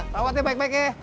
rawat ya baik baik ya